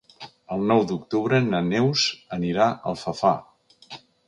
El nou d'octubre na Neus anirà a Alfafar.